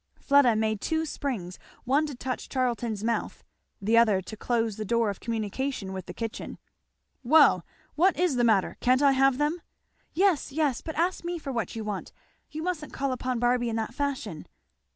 Fleda made two springs, one to touch Charlton's mouth, the other to close the door of communication with the kitchen. "Well! what is the matter? can't I have them?" "Yes, yes, but ask me for what you want. You mustn't call upon Barby in that fashion."